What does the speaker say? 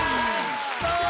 そう。